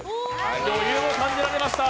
余裕を感じられました。